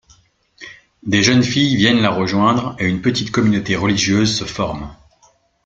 Des jeunes filles viennent la rejoindre et une petite communauté religieuse se forme.